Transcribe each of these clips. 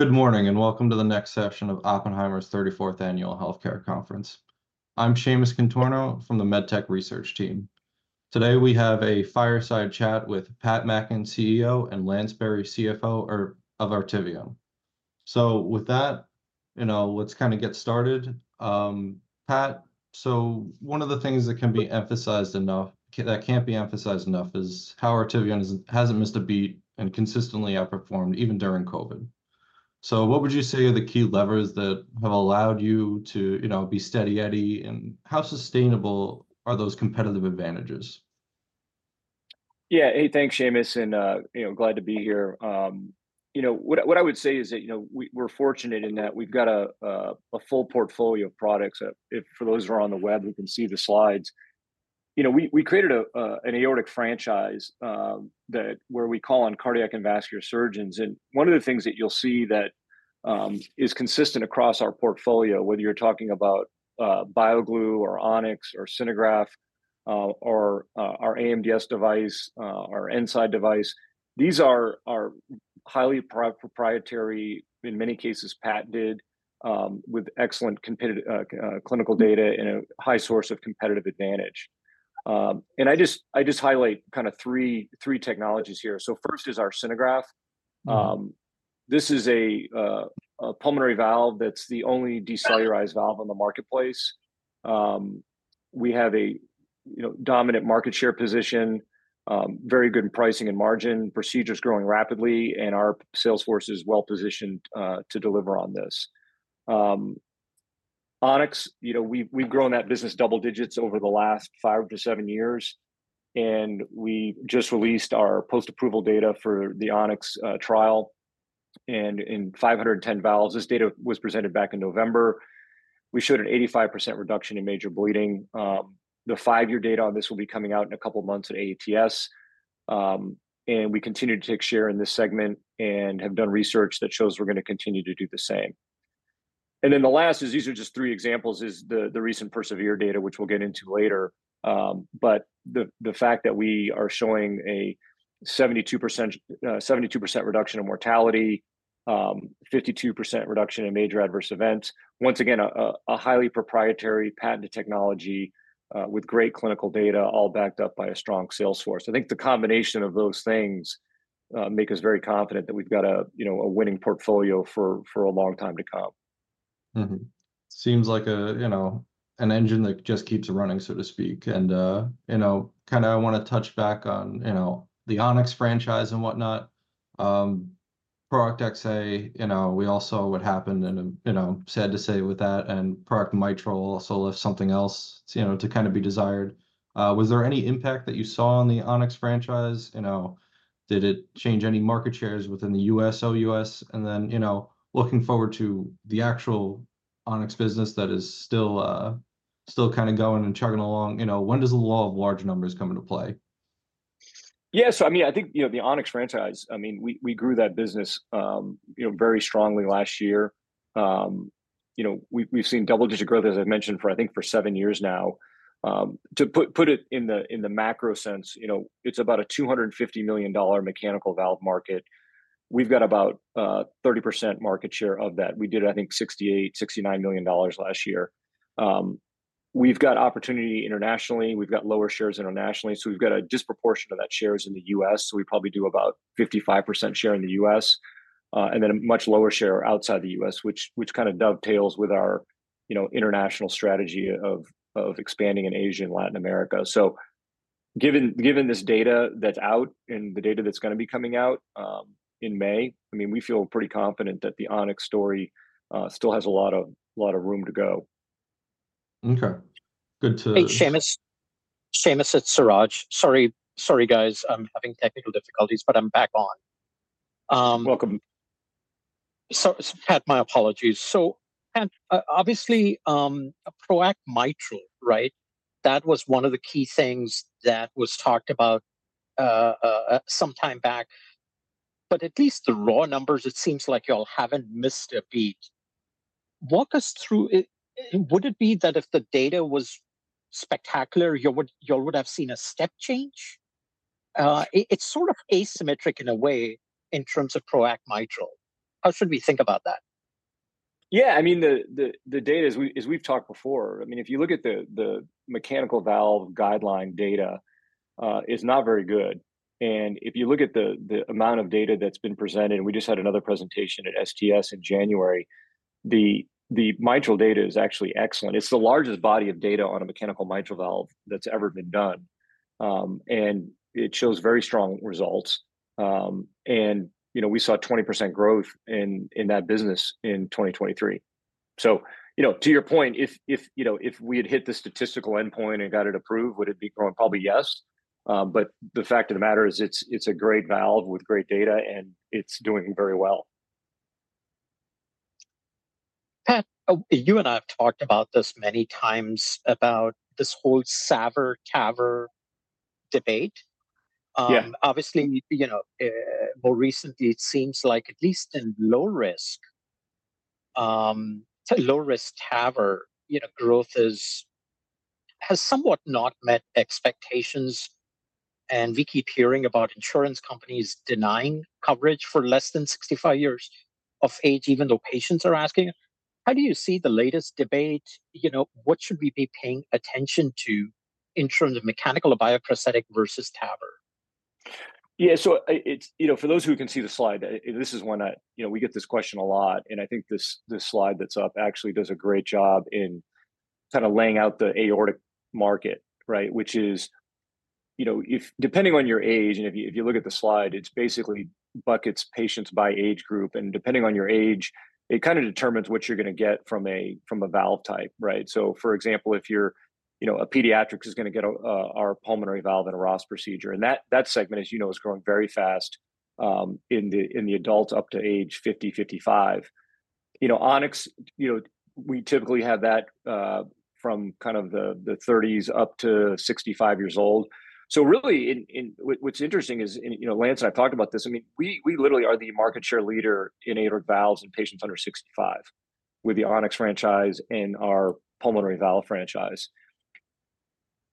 Good morning and welcome to the next session of Oppenheimer's 34th Annual Healthcare Conference. I'm Shaymus Contorno from the MedTech Research Team. Today we have a fireside chat with Pat Mackin, CEO, and Lance Berry, CFO, of Artivion. So with that, you know, let's kind of get started. Pat, so one of the things that can be emphasized enough, that can't be emphasized enough, is how Artivion hasn't missed a beat and consistently outperformed, even during COVID. So what would you say are the key levers that have allowed you to, you know, be steady-eddy, and how sustainable are those competitive advantages? Yeah, hey, thanks, Seamus, and you know, glad to be here. You know, what I what I would say is that, you know, we're fortunate in that we've got a, a full portfolio of products. If for those who are on the web, who can see the slides, you know, we created a, an aortic franchise, that where we call on cardiac and vascular surgeons. And one of the things that you'll see that is consistent across our portfolio, whether you're talking about BioGlue or On-X or SG, or our AMDS device, our E-nside device, these are highly proprietary, in many cases patented, with excellent competitive clinical data and a high source of competitive advantage. I just—I just highlight kind of three, three technologies here. So first is our SG. This is a, a pulmonary valve that's the only decellularized valve on the marketplace. We have a, you know, dominant market share position, very good pricing and margin, procedures growing rapidly, and our sales force is well positioned to deliver on this. On-X, you know, we've grown that business double digits over the last five-seven years, and we just released our post-approval data for the On-X trial. In 510 valves, this data was presented back in November. We showed an 85% reduction in major bleeding. The five-year data on this will be coming out in a couple of months at AATS. We continue to take share in this segment and have done research that shows we're going to continue to do the same. And then the last is, these are just three examples, is the recent PERSEVERE data, which we'll get into later. But the fact that we are showing a 72% reduction in mortality, 52% reduction in major adverse events, once again, a highly proprietary, patented technology, with great clinical data all backed up by a strong sales force. I think the combination of those things makes us very confident that we've got a, you know, a winning portfolio for a long time to come. Mm-hmm. Seems like a, you know, an engine that just keeps running, so to speak. And, you know, kind of I want to touch back on, you know, the On-x franchise and whatnot. PROACT Xa, you know, we also, what happened and, you know, sad to say with that, and PROACT Mitral also left something else, you know, to kind of be desired. Was there any impact that you saw on the On-x franchise? You know, did it change any market shares within the US, OUS? And then, you know, looking forward to the actual On-x business that is still, still kind of going and chugging along, you know, when does the law of large numbers come into play? Yeah, so I mean, I think, you know, the On-x franchise, I mean, we grew that business, you know, very strongly last year. You know, we've seen double-digit growth, as I've mentioned, for, I think, seven years now. To put it in the macro sense, you know, it's about a $250 million mechanical valve market. We've got about 30% market share of that. We did, I think, $68-$69 million last year. We've got opportunity internationally. We've got lower shares internationally. So we've got a disproportion of that shares in the US. So we probably do about 55% share in the US, and then a much lower share outside the US, which kind of dovetails with our, you know, international strategy of expanding in Asia and Latin America. So, given this data that's out and the data that's going to be coming out in May, I mean, we feel pretty confident that the On-X story still has a lot of room to go. Okay. Good to. Hey, Seamus. Seamus, it's Suraj. Sorry, sorry, guys, I'm having technical difficulties, but I'm back on. Welcome. So Pat, my apologies. So Pat, obviously, PROACT Mitral, right, that was one of the key things that was talked about, some time back. But at least the raw numbers, it seems like y'all haven't missed a beat. Walk us through it. Would it be that if the data was spectacular, y'all would have seen a step change? It's sort of asymmetric in a way in terms of PROACT Mitral. How should we think about that? Yeah, I mean, the data is, as we've talked before, I mean, if you look at the mechanical valve guideline data, is not very good. And if you look at the amount of data that's been presented, and we just had another presentation at STS in January, the mitral data is actually excellent. It's the largest body of data on a mechanical mitral valve that's ever been done, and it shows very strong results, and, you know, we saw 20% growth in that business in 2023. So, you know, to your point, if, you know, if we had hit the statistical endpoint and got it approved, would it be growing? Probably yes, but the fact of the matter is it's a great valve with great data, and it's doing very well. Pat, you and I have talked about this many times, about this whole SAVR-TAVR debate. Obviously, you know, more recently, it seems like at least in low-risk, low-risk TAVR, you know, growth has somewhat not met expectations. And we keep hearing about insurance companies denying coverage for less than 65 years of age, even though patients are asking. How do you see the latest debate? You know, what should we be paying attention to in terms of mechanical or bioprosthetic versus TAVR? Yeah, so it's, you know, for those who can see the slide, this is one that, you know, we get this question a lot. And I think this slide that's up actually does a great job in kind of laying out the aortic market, right, which is, you know, if depending on your age—and if you look at the slide, it basically buckets patients by age group—and depending on your age, it kind of determines what you're going to get from a valve type, right? So for example, if you're, you know, a pediatric is going to get our pulmonary valve and a Ross procedure. And that segment, as you know, is growing very fast in the adults up to age 50-55. You know, On-X, you know, we typically have that from kind of the 30s up to 65 years old. So really, what's interesting is, you know, Lance and I have talked about this. I mean, we literally are the market share leader in aortic valves and patients under 65 with the On-X franchise and our pulmonary valve franchise.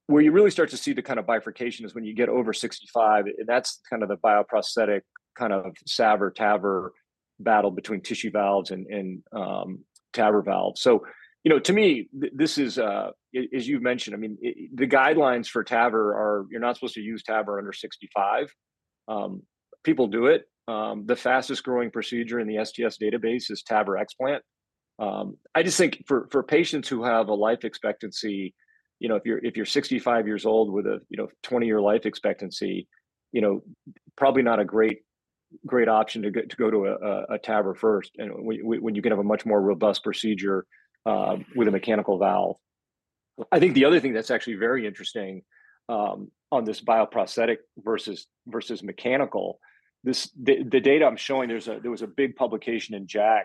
Where you really start to see the kind of bifurcation is when you get over 65, and that's kind of the bioprosthetic kind of SAVR-TAVR battle between tissue valves and TAVR valves. So, you know, to me, this is, as you've mentioned, I mean, the guidelines for TAVR are you're not supposed to use TAVR under 65. People do it. The fastest growing procedure in the STS database is TAVR explant. I just think for patients who have a life expectancy, you know, if you're 65 years old with a, you know, 20-year life expectancy, you know, probably not a great option to go to a TAVR first when you can have a much more robust procedure with a mechanical valve. I think the other thing that's actually very interesting on this bioprosthetic versus mechanical, the data I'm showing, there was a big publication in JACC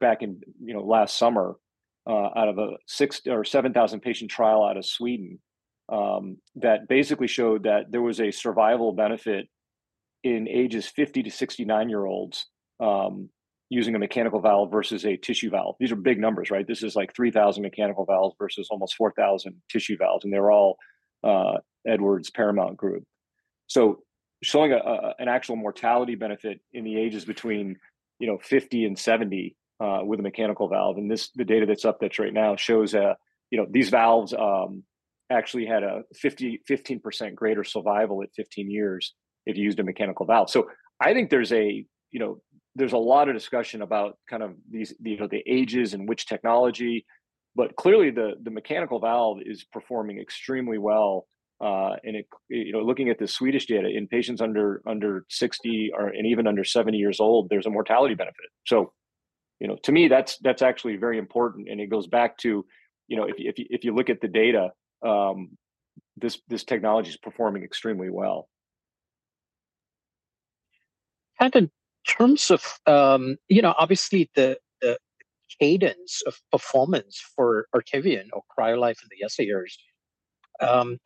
back in last summer out of a 7,000-patient trial out of Sweden that basically showed that there was a survival benefit in ages 50-69-year-olds using a mechanical valve versus a tissue valve. These are big numbers, right? This is like 3,000 mechanical valves versus almost 4,000 tissue valves. And they're all Edwards Paramount Group. So showing an actual mortality benefit in the ages between, you know, 50 and 70 with a mechanical valve. The data that's up that's right now shows that, you know, these valves actually had a 15% greater survival at 15 years if you used a mechanical valve. So I think there's a, you know, there's a lot of discussion about kind of the ages and which technology. But clearly, the mechanical valve is performing extremely well. And looking at the Swedish data, in patients under 60 and even under 70 years old, there's a mortality benefit. So, you know, to me, that's actually very important. And it goes back to, you know, if you look at the data, this technology is performing extremely well. Pat, in terms of, you know, obviously, the cadence of performance for Artivion or CryoLife in the past years,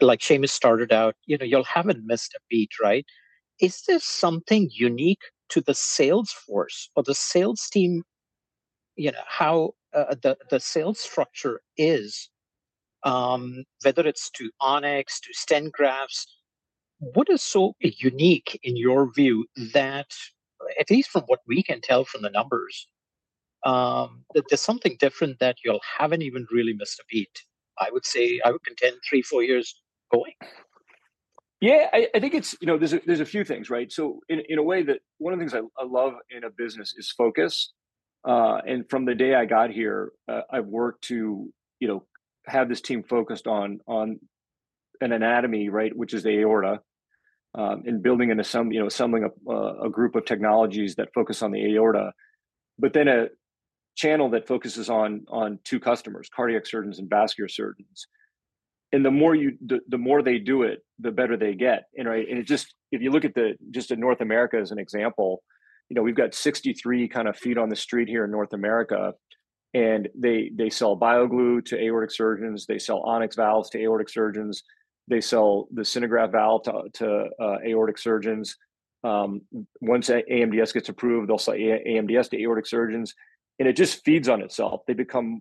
like Seamus started out, you know, y'all haven't missed a beat, right? Is this something unique to the sales force or the sales team? You know, how the sales structure is, whether it's to On-x, to stent grafts, what is so unique in your view that, at least from what we can tell from the numbers, that there's something different that y'all haven't even really missed a beat? I would say I would contend three, four years going. Yeah, I think it's, you know, there's a few things, right? So in a way that one of the things I love in a business is focus. And from the day I got here, I've worked to, you know, have this team focused on an anatomy, right, which is the aorta, and building and assembling a group of technologies that focus on the aorta, but then a channel that focuses on two customers, cardiac surgeons and vascular surgeons. And the more they do it, the better they get. And it just, if you look at just North America as an example, you know, we've got 63 kind of feet on the street here in North America. And they sell BioGlue to aortic surgeons. They sell On-X valves to aortic surgeons. They sell the SynerGraft valve to aortic surgeons. Once AMDS gets approved, they'll sell AMDS to aortic surgeons. It just feeds on itself. They become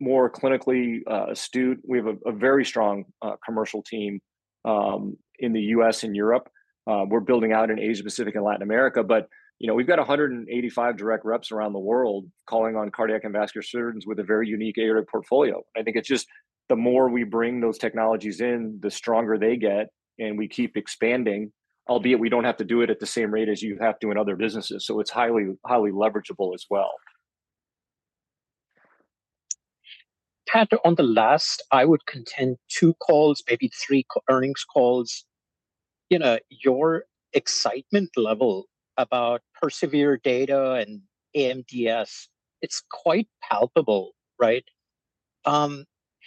more clinically astute. We have a very strong commercial team in the U.S. and Europe. We're building out in Asia-Pacific and Latin America. But, you know, we've got 185 direct reps around the world calling on cardiac and vascular surgeons with a very unique aortic portfolio. And I think it's just the more we bring those technologies in, the stronger they get, and we keep expanding, albeit we don't have to do it at the same rate as you have to in other businesses. So it's highly leverageable as well. Pat, on the last, I would contend two calls, maybe three earnings calls. You know, your excitement level about PERSEVERE data and AMDS, it's quite palpable, right?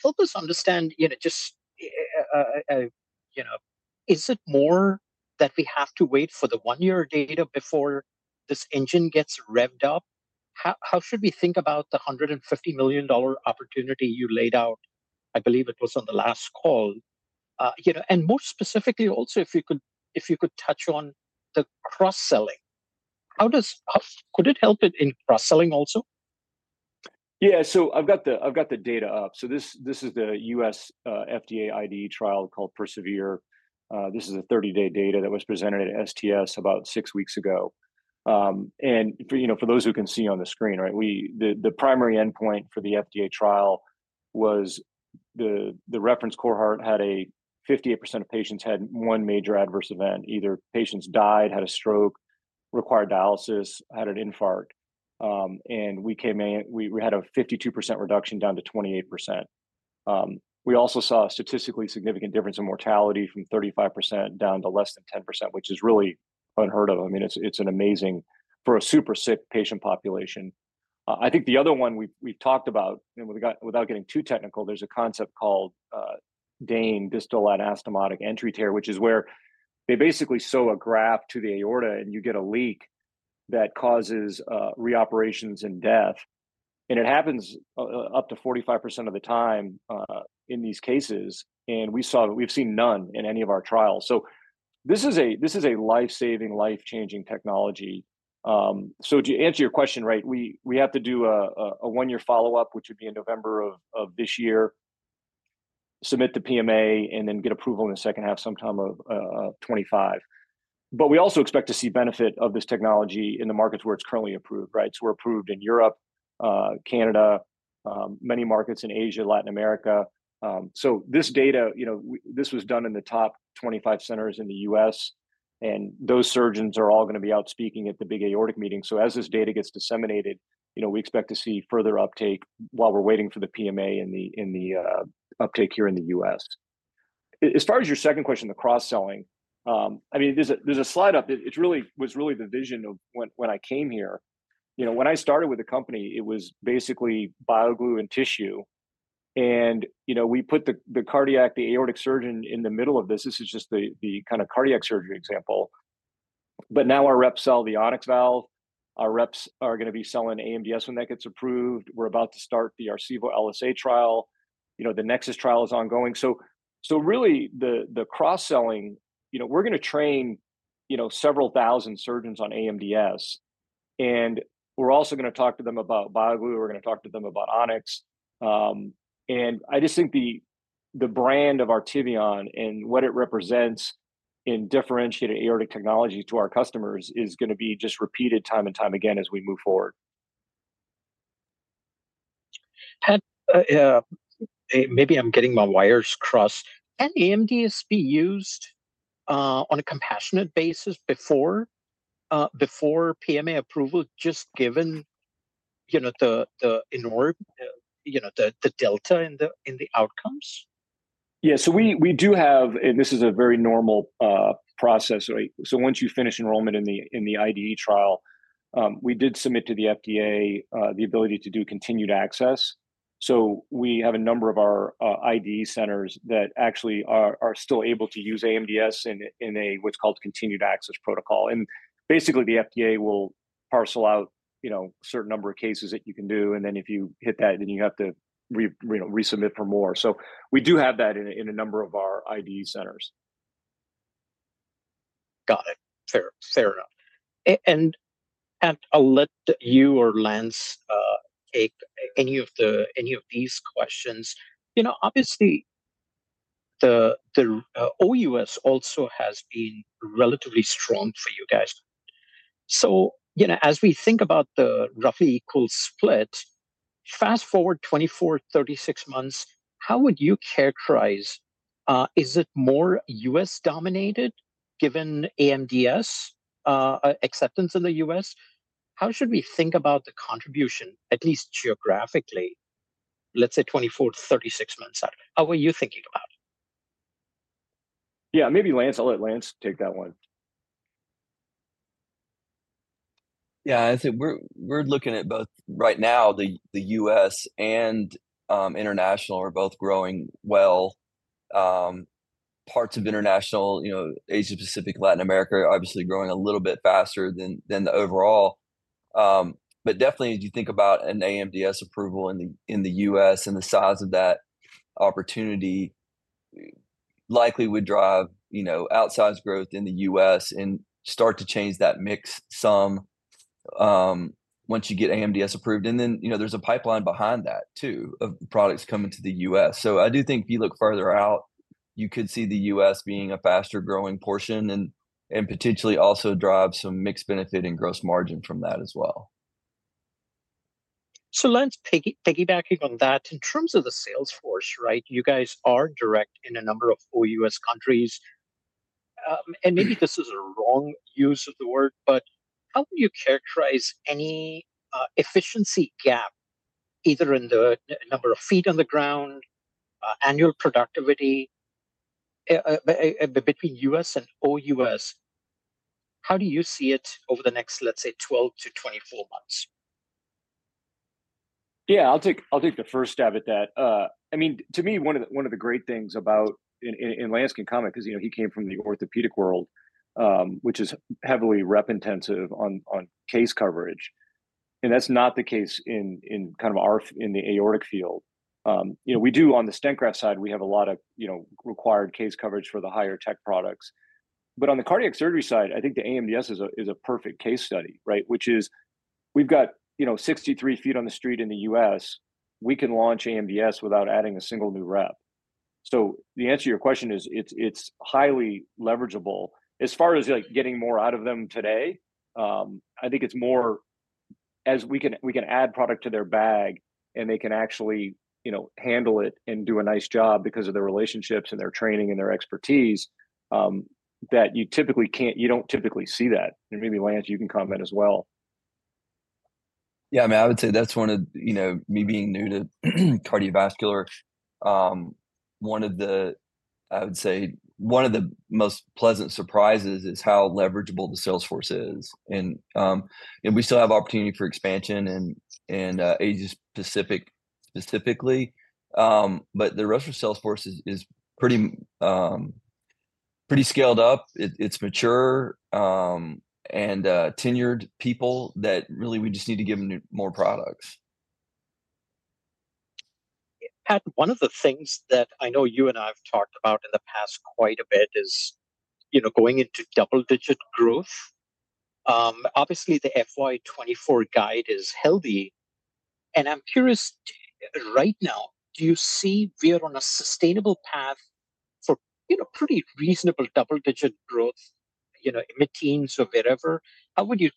Help us understand, you know, just, you know, is it more that we have to wait for the one-year data before this engine gets revved up? How should we think about the $150 million opportunity you laid out? I believe it was on the last call. You know, and more specifically also, if you could touch on the cross-selling, could it help in cross-selling also? Yeah, so I've got the data up. So this is the U.S. FDA IDE trial called PERSEVERE. This is a 30-day data that was presented at STS about six weeks ago. And for those who can see on the screen, right, the primary endpoint for the FDA trial was the reference cohort had a 58% of patients had one major adverse event, either patients died, had a stroke, required dialysis, had an infarct. And we came in, we had a 52% reduction down to 28%. We also saw a statistically significant difference in mortality from 35% down to less than 10%, which is really unheard of. I mean, it's an amazing for a super sick patient population. I think the other one we've talked about, and without getting too technical, there's a concept called DANE, distal anastomotic entry tear, which is where they basically sew a graft to the aorta and you get a leak that causes reoperations and death. It happens up to 45% of the time in these cases. We've seen none in any of our trials. This is a lifesaving, life-changing technology. So to answer your question, right, we have to do a one-year follow-up, which would be in November of this year, submit the PMA, and then get approval in the second half sometime of 2025. We also expect to see benefit of this technology in the markets where it's currently approved, right? So we're approved in Europe, Canada, many markets in Asia, Latin America. So this data, you know, this was done in the top 25 centers in the U.S. And those surgeons are all going to be out speaking at the big aortic meeting. So as this data gets disseminated, you know, we expect to see further uptake while we're waiting for the PMA and the uptake here in the U.S. As far as your second question, the cross-selling, I mean, there's a slide up. It was really the vision of when I came here. You know, when I started with the company, it was basically BioGlue and tissue. And, you know, we put the cardiac, the aortic surgeon in the middle of this. This is just the kind of cardiac surgery example. But now our reps sell the On-X valve. Our reps are going to be selling AMDS when that gets approved. We're about to start the Arcevo LSA trial. You know, the NEXUS trial is ongoing. So really, the cross-selling, you know, we're going to train, you know, several thousand surgeons on AMDS. And we're also going to talk to them about BioGlue. We're going to talk to them about On-X. And I just think the brand of Artivion and what it represents in differentiated aortic technology to our customers is going to be just repeated time and time again as we move forward. Pat, maybe I'm getting my wires crossed. Can AMDS be used on a compassionate basis before PMA approval, just given, you know, the delta in the outcomes? Yeah, so we do have, and this is a very normal process, right? So once you finish enrollment in the IDE trial, we did submit to the FDA the ability to do continued access. So we have a number of our IDE centers that actually are still able to use AMDS in what's called continued access protocol. And basically, the FDA will parcel out, you know, a certain number of cases that you can do. And then if you hit that, then you have to resubmit for more. So we do have that in a number of our IDE centers. Got it. Fair enough. And Pat, I'll let you or Lance take any of these questions. You know, obviously, the OUS also has been relatively strong for you guys. So, you know, as we think about the roughly equal split, fast forward 24, 36 months, how would you characterize? Is it more U.S.-dominated given AMDS acceptance in the U.S.? How should we think about the contribution, at least geographically, let's say 24, 36 months out? How are you thinking about it? Yeah, maybe Lance, I'll let Lance take that one. Yeah, I'd say we're looking at both right now, the U.S. and international are both growing well. Parts of international, you know, Asia-Pacific, Latin America, obviously growing a little bit faster than the overall. But definitely, as you think about an AMDS approval in the U.S. and the size of that opportunity, likely would drive, you know, outsize growth in the U.S. and start to change that mix some once you get AMDS approved. And then, you know, there's a pipeline behind that too of products coming to the U.S. So I do think if you look further out, you could see the U.S. being a faster-growing portion and potentially also drive some mixed benefit and gross margin from that as well. So Lance, piggybacking on that, in terms of the sales force, right, you guys are direct in a number of OUS countries. And maybe this is a wrong use of the word, but how would you characterize any efficiency gap, either in the number of feet on the ground, annual productivity between US and OUS? How do you see it over the next, let's say, 12-24 months? Yeah, I'll take the first stab at that. I mean, to me, one of the great things about, and Lance can comment because, you know, he came from the orthopedic world, which is heavily rep intensive on case coverage. And that's not the case in kind of our in the aortic field. You know, we do, on the stent graft side, we have a lot of required case coverage for the higher tech products. But on the cardiac surgery side, I think the AMDS is a perfect case study, right? Which is we've got, you know, 63 feet on the street in the U.S. We can launch AMDS without adding a single new rep. So the answer to your question is it's highly leverageable. As far as getting more out of them today, I think it's more as we can add product to their bag and they can actually handle it and do a nice job because of their relationships and their training and their expertise that you typically can't, you don't typically see that. And maybe, Lance, you can comment as well. Yeah, I mean, I would say that's one of, you know, me being new to cardiovascular, one of the, I would say, one of the most pleasant surprises is how leverageable the sales force is. We still have opportunity for expansion in Asia-Pacific specifically. But the rest of the sales force is pretty scaled up. It's mature and tenured people that really we just need to give them more products. Pat, one of the things that I know you and I have talked about in the past quite a bit is, you know, going into double-digit growth. Obviously, the FY2024 guide is healthy. I'm curious right now, do you see we are on a sustainable path for, you know, pretty reasonable double-digit growth, you know, in the teens or wherever? How would you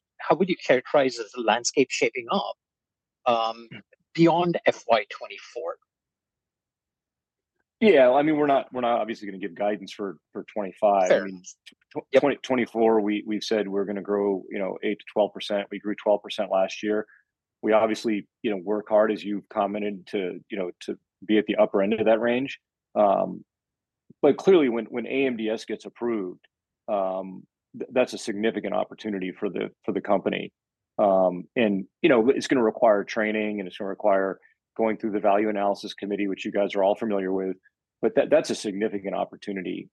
characterize this landscape shaping up beyond FY2024? Yeah, I mean, we're not obviously going to give guidance for 2025. I mean, 2024, we've said we're going to grow, you know, 8%-12%. We grew 12% last year. We obviously, you know, work hard, as you've commented, to be at the upper end of that range. But clearly, when AMDS gets approved, that's a significant opportunity for the company. And, you know, it's going to require training and it's going to require going through the value analysis committee, which you guys are all familiar with. But that's a significant opportunity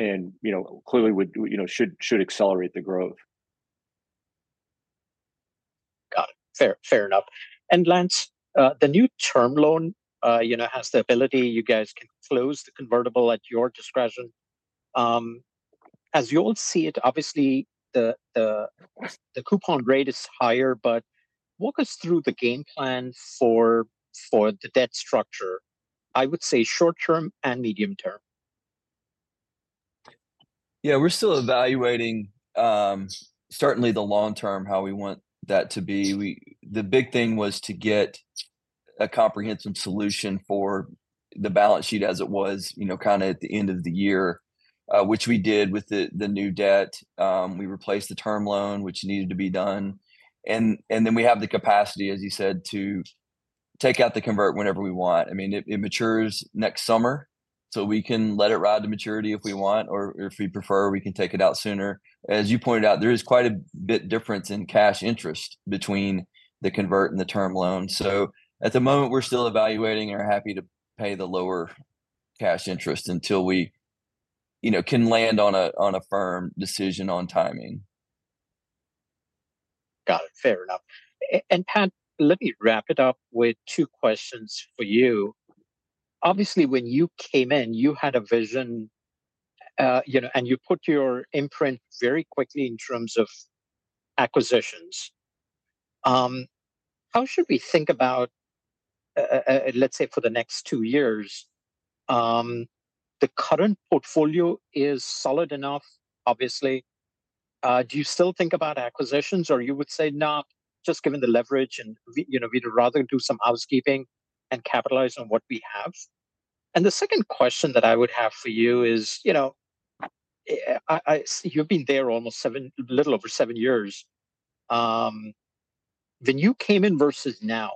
and, you know, clearly would, you know, should accelerate the growth. Got it. Fair enough. And Lance, the new term loan, you know, has the ability you guys can close the convertible at your discretion. As you all see it, obviously, the coupon rate is higher, but walk us through the game plan for the debt structure, I would say short-term and medium-term. Yeah, we're still evaluating certainly the long-term how we want that to be. The big thing was to get a comprehensive solution for the balance sheet as it was, you know, kind of at the end of the year, which we did with the new debt. We replaced the term loan, which needed to be done. And then we have the capacity, as you said, to take out the convert whenever we want. I mean, it matures next summer. So we can let it ride to maturity if we want or if we prefer, we can take it out sooner. As you pointed out, there is quite a bit difference in cash interest between the convert and the term loan. So at the moment, we're still evaluating and are happy to pay the lower cash interest until we, you know, can land on a firm decision on timing. Got it. Fair enough. And Pat, let me wrap it up with two questions for you. Obviously, when you came in, you had a vision, you know, and you put your imprint very quickly in terms of acquisitions. How should we think about, let's say, for the next two years, the current portfolio is solid enough, obviously? Do you still think about acquisitions or you would say, "Nah, just given the leverage and, you know, we'd rather do some housekeeping and capitalize on what we have?" And the second question that I would have for you is, you know, you've been there almost seven, a little over seven years. When you came in versus now,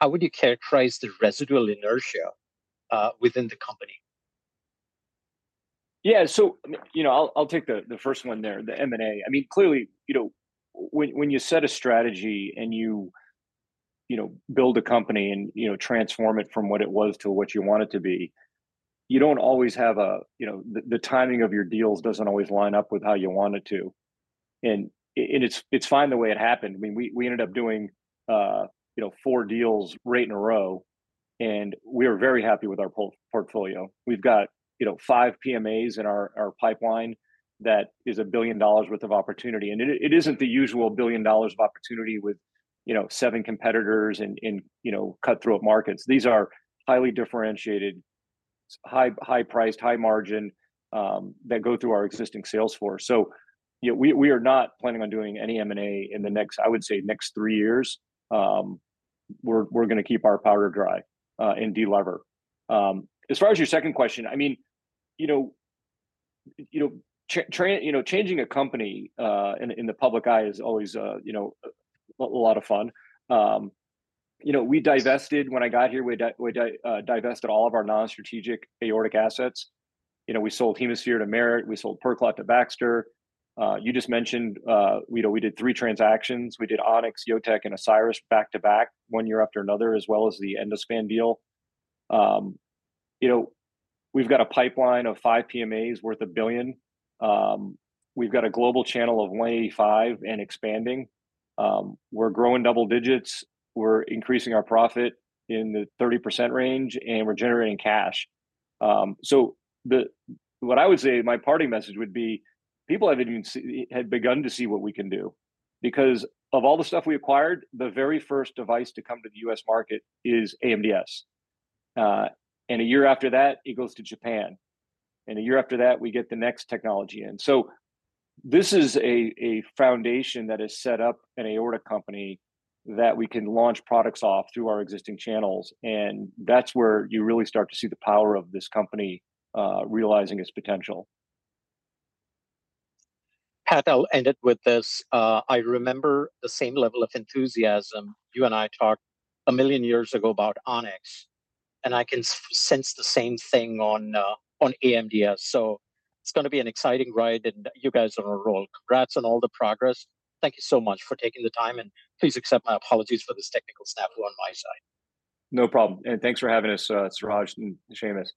how would you characterize the residual inertia within the company? Yeah, so, you know, I'll take the first one there, the M&A. I mean, clearly, you know, when you set a strategy and you, you know, build a company and, you know, transform it from what it was to what you want it to be, you don't always have a, you know, the timing of your deals doesn't always line up with how you want it to. And it's fine the way it happened. I mean, we ended up doing, you know, 4 deals right in a row. And we are very happy with our portfolio. We've got, you know, 5 PMAs in our pipeline that is $1 billion worth of opportunity. And it isn't the usual $1 billion of opportunity with, you know, seven competitors in, you know, cut-through at markets. These are highly differentiated, high-priced, high-margin that go through our existing sales force. So, you know, we are not planning on doing any M&A in the next, I would say, next three years. We're going to keep our powder dry and de-lever. As far as your second question, I mean, you know, you know, changing a company in the public eye is always, you know, a lot of fun. You know, we divested when I got here. We divested all of our non-strategic aortic assets. You know, we sold Hemisphere to Merritt. We sold PerClot to Baxter. You just mentioned, you know, we did three transactions. We did On-x, JOTEC, and Osiris back to back one year after another, as well as the Endospan deal. You know, we've got a pipeline of five PMAs worth $1 billion. We've got a global channel of 185 and expanding. We're growing double digits. We're increasing our profit in the 30% range and we're generating cash. So what I would say, my parting message would be, people have even begun to see what we can do. Because of all the stuff we acquired, the very first device to come to the U.S. market is AMDS. And a year after that, it goes to Japan. And a year after that, we get the next technology in. So this is a foundation that has set up an aortic company that we can launch products off through our existing channels. And that's where you really start to see the power of this company realizing its potential. Pat, I'll end it with this. I remember the same level of enthusiasm. You and I talked a million years ago about On-x. And I can sense the same thing on AMDS. So it's going to be an exciting ride and you guys are on a roll. Congrats on all the progress. Thank you so much for taking the time and please accept my apologies for this technical snag on my side. No problem. And thanks for having us, Suraj and Seamus. Thanks.